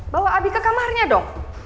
bawa abi ke kamarnya dong